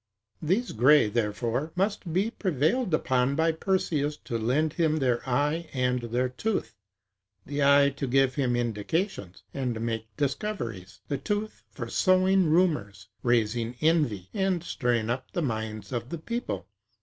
These Greæ, therefore, must be prevailed upon by Perseus to lend him their eye and their tooth; the eye to give him indications, and make discoveries; the tooth for sowing rumors, raising envy, and stirring up the minds of the people.